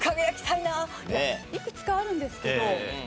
いやいくつかあるんですけど。